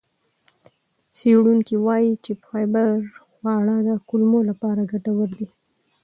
څېړونکي وایي چې فایبر خواړه د کولمو لپاره ګټور دي.